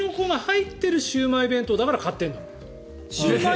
タケノコが入っているシウマイ弁当だから買っているの。